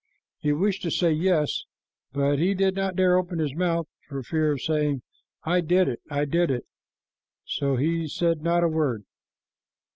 He wished to say, "Yes," but he did not dare to open his mouth for fear of saying, "I did it, I did it," so he said not a word.